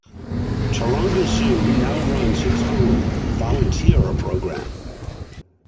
Taronga Zoo now runs its own volunteer program.